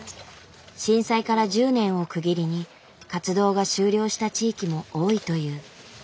震災から１０年を区切りに活動が終了した地域も多いという。